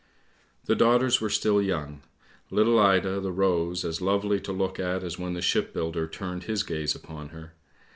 " The daughters were still young. Little Ida, the rose, as lovely to look at as when the shipbuilder turned his gaze upon her.